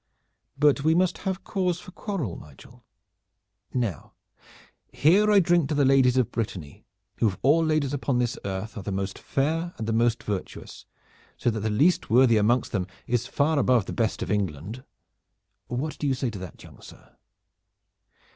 "But we must have cause for quarrel, Nigel. Now here I drink to the ladies of Brittany, who of all ladies upon this earth are the most fair and the most virtuous, so that the least worthy amongst them is far above the best of England. What say you to that, young sir?"